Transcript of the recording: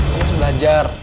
kamu harus belajar